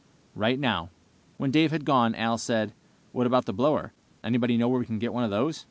"Right now." When Dave had gone, Al said, "What about the blower? Anybody know where we can get one of those?"